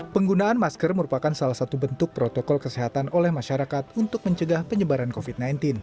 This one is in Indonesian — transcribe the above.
penggunaan masker merupakan salah satu bentuk protokol kesehatan oleh masyarakat untuk mencegah penyebaran covid sembilan belas